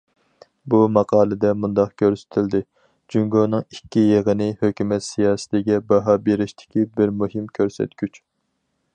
بۇ ماقالىدە مۇنداق كۆرسىتىلدى: جۇڭگونىڭ« ئىككى يىغىنى» ھۆكۈمەت سىياسىتىگە باھا بېرىشتىكى بىر مۇھىم كۆرسەتكۈچ.